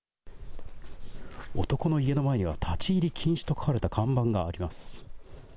男の家の前には、立ち入り禁止と書かれた看板があります。